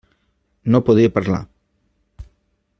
No podia parlar.